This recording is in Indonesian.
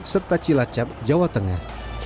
serta cilacap jawa tengah